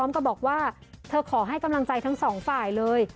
ก็บอกว่าเธอขอให้กำลังใจทั้งสองฝ่ายเลย